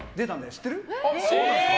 知ってる？